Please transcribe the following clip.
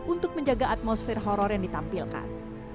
untuk menjaga atmosfer horror yang ditampilkan